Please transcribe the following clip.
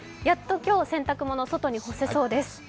やっと今日、洗濯物、外に干せそうです。